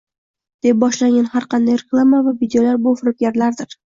deb boshlangan har qanday reklama va videolar bu – firibgarlardir.